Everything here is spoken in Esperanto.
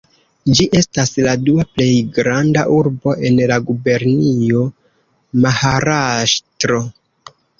Ĝi estas la dua plej granda urbo en la gubernio Maharaŝtro.